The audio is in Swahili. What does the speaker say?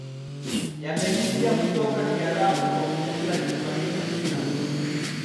yameingia kutoka Kiarabu Kwa ujumla Kiswahili kina